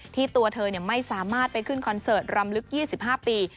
ตัวเธอไม่สามารถไปขึ้นคอนเสิร์ตรำลึก๒๕ปี